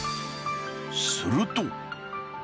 すると。